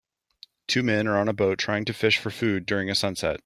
Two men are on a boat trying to fish for food during a sunset.